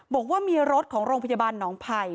บอกว่ามีรถของโรงพยาบาลหนองไผ่